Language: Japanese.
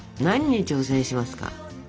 何に挑戦しますか？